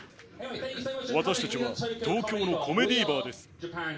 私たちは東京のコメディーバーです。